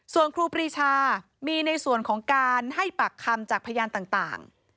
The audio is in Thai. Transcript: ส่วนครูปรีชามีในส่วนของการให้ปากคำจากพยานต่าง